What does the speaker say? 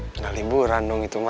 nggak liburandung itu ma